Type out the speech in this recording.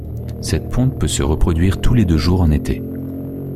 Cette ponte peut se reproduire tous les deux jours en été.